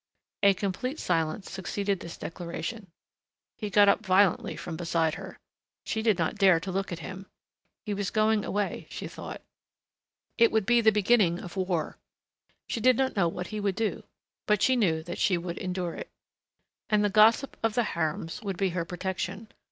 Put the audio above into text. A complete silence succeeded this declaration. He got up violently from beside her. She did not dare look at him. He was going away, she thought. It would be the beginning of war. She did not know what he would do but she knew that she would endure it. And the gossip of the harems would be her protection.